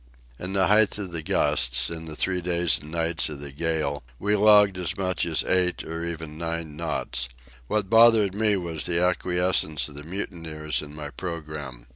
In the height of the gusts, in the three days and nights of the gale, we logged as much as eight, and even nine, knots. What bothered me was the acquiescence of the mutineers in my programme.